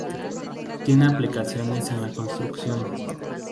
Tiene aplicaciones en la construcción.